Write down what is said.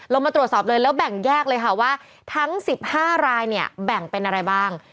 มาตรวจสอบเลยแล้วแบ่งแยกเลยค่ะว่าทั้ง๑๕รายเนี่ยแบ่งเป็นอะไรบ้าง